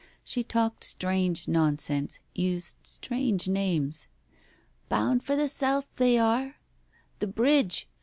She talked strange nonsense, used strange names. "Bound for the South, they are. ... The Bridge. ...